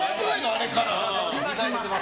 あれから。